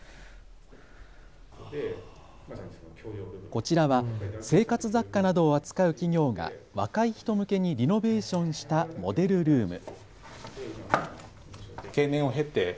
こちらは生活雑貨などを扱う企業が若い人向けにリノベーションしたモデルルーム。